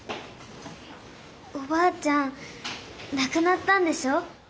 おばあちゃんなくなったんでしょ？